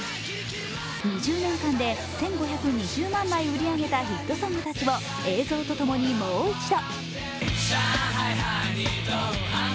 ２０年間で１５２０万枚売り上げたヒットソングたちを映像と共にもう一度。